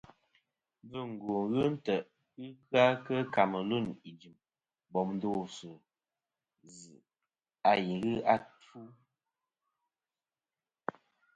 Mbvɨngwo ghɨ ntè' ghɨ kɨ-a kɨ camelûn i jɨm bòm ndo àfvɨ zɨ a i ghɨ a fu.